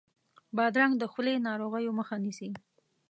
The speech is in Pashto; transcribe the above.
بادرنګ د خولې ناروغیو مخه نیسي.